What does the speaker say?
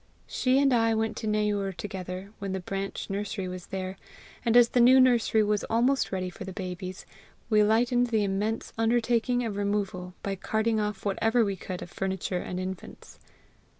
She and I went to Neyoor together when the branch nursery was there; and as the new nursery was almost ready for the babies, we lightened the immense undertaking of removal by carting off whatever we could of furniture and infants.